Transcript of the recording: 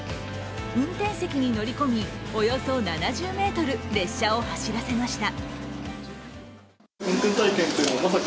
運転席に乗り込み、およそ７０ｍ、列車を走らせました。